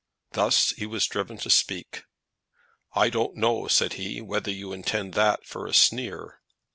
Thus he was driven to speak. "I don't know," said he, "whether you intend that for a sneer."